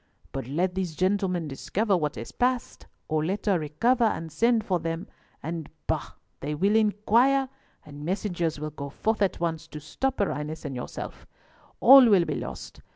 But let these gentlemen discover what has passed, or let her recover and send for them, and bah! they will inquire, and messengers will go forth at once to stop her Highness and yourself. All will be lost.